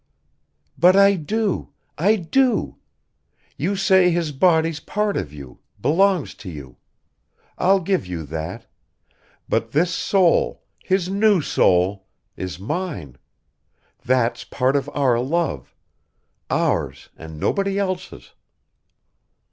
"But I do ... I do. You say his body's part of you belongs to you. I'll give you that. But this soul ... his new soul ... is mine. That's part of our love. Ours and nobody else's...."